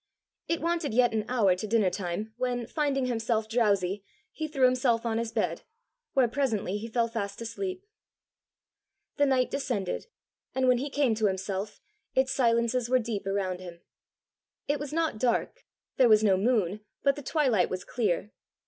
It wanted yet an hour to dinner time when, finding himself drowsy, he threw himself on his bed, where presently he fell fast asleep. The night descended, and when he came to himself, its silences were deep around him. It was not dark: there was no moon, but the twilight was clear.